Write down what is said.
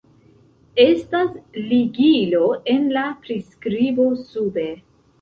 Estas ligilo en la priskribo sube